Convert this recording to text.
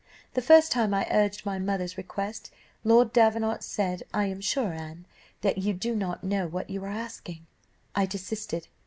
The first time I urged my mother's request, Lord Davenant said, 'I am sure, Anne, that you do not know what you are asking.' I desisted.